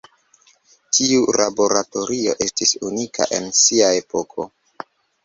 Tiu laboratorio estis unika en sia epoko.